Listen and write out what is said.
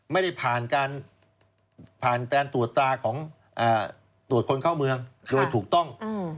ไม่ได้ผ่านการผ่านการตรวจตราของตรวจคนเข้าเมืองโดยถูกต้อง